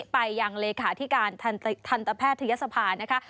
ไปยังเลขาธิการทันตแพทยศภานะคะ